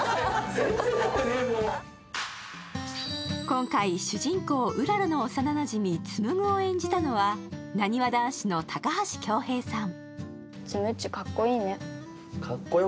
今回、主人公・うららの幼なじみ、紡を演じたのはなにわ男子の高橋恭平さん。